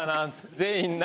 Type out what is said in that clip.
全員な。